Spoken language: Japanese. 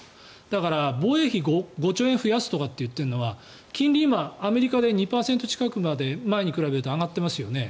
だから、防衛費５兆円増やすとか言ってるのは金利が今、アメリカで２％近くまで、前に比べると上がってますよね。